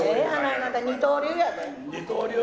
あんた、二刀流やで。